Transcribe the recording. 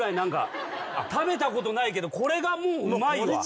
食べたことないけどこれがもううまいわ。